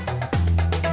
saya juga ngantuk